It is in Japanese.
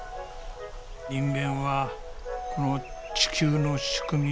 人間はこの地球の仕組み